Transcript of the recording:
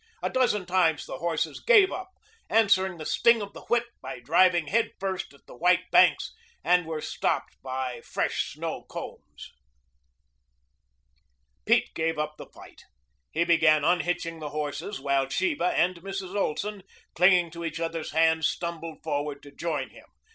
A dozen times the horses gave up, answered the sting of the whip by diving head first at the white banks, and were stopped by fresh snow combs. Pete gave up the fight. He began unhitching the horses, while Sheba and Mrs. Olson, clinging to each other's hands, stumbled forward to join him.